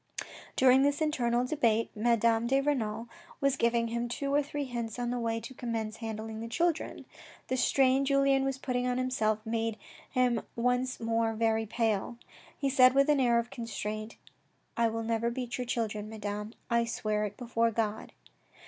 During this internal debate, Madame de Renal was giving him two or three hints on the way to commence handling the children. The strain Julien was putting on himself made him once more very pale. He said with an air of constraint. " I will never beat your children, Madame. I swear it before God."